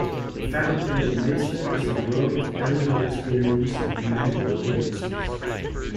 The fabricated nature is the world of everyday experience and mental appearances.